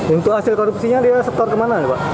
untuk hasil korupsinya dia setor kemana ya pak